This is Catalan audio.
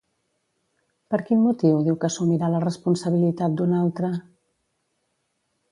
Per quin motiu diu que assumirà la responsabilitat d'un altre?